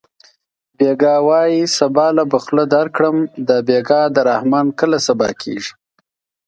بېګا وایې سبا له به خوله درکړم دا بېګا د رحمان کله سبا کېږي